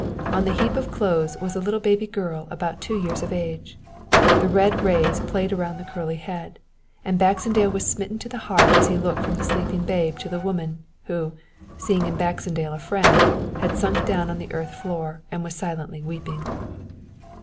On the heap of clothes was a little baby girl about two years of age. The red rays played round the curly head, and Baxendale was smitten to the heart as he looked from the sleeping babe to the woman, who, seeing in Baxendale a friend, had sunk down on the earth floor and was silently weeping."